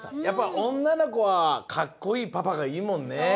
やっぱおんなのこはかっこいいパパがいいもんね。